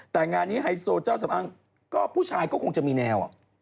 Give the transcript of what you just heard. แต่งานนี้ไฮโซเจ้าสำอ้างก็ผู้ชายก็คงจะมีแนว